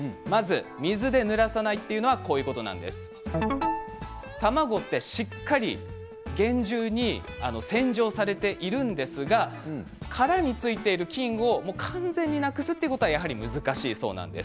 水でぬらさないというのは卵って、しっかり厳重に洗浄されているんですが殻に付いている菌を完全になくすというのは難しいそうです。